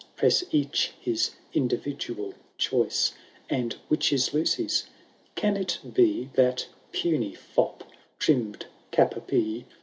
Press each his individual choice. And which is Lucy*s ?— Can it be That puny fop, trimmed cap a pie.